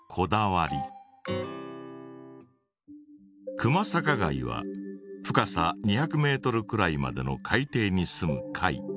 クマサカガイは深さ２００ｍくらいまでの海底に住む貝。